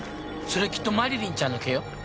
それきっとマリリンちゃんの毛よ。